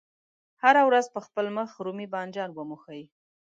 هره ورځ په خپل مخ رومي بانجان وموښئ.